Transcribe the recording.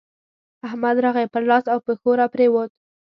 احمد راغی؛ پر لاس او پښو راپرېوت.